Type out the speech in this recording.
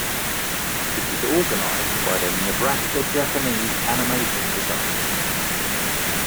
It is organized by the Nebraska Japanese Animation Society.